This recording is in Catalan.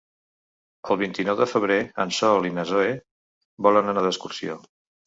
El vint-i-nou de febrer en Sol i na Zoè volen anar d'excursió.